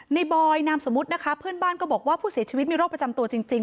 บอยนามสมมุตินะคะเพื่อนบ้านก็บอกว่าผู้เสียชีวิตมีโรคประจำตัวจริง